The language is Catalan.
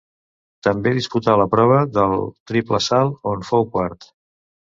També disputà la prova del triple salt, on fou quart.